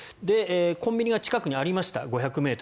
コンビニが近くにありました５００ｍ。